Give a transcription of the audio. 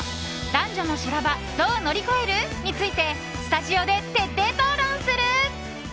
男女の修羅場どう乗り越える？についてスタジオで徹底討論する。